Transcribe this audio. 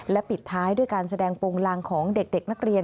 ปิดท้ายด้วยการแสดงโปรงลางของเด็กนักเรียน